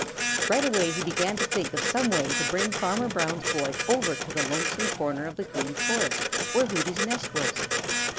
Right away he began to try to think of some way to bring Farmer Brown's boy over to the lonesome corner of the Green Forest where Hooty's nest was.